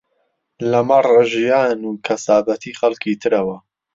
لەمەڕ ژیان و کەسابەتی خەڵکی ترەوە